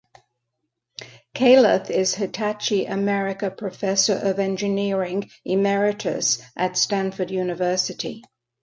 Kailath is Hitachi America Professor of Engineering, Emeritus, at Stanford University.